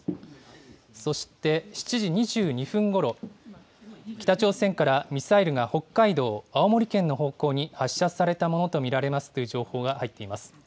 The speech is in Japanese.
そして７時２２分ごろ、北朝鮮からミサイルが北海道、青森県の方向に発射されたものと見られますという情報が入っています。